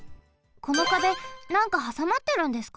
この壁なんかはさまってるんですか？